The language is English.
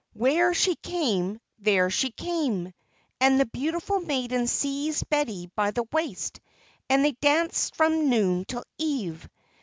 Where she came, there she came! and the beautiful maiden seized Betty by the waist, and they danced from noon till eve.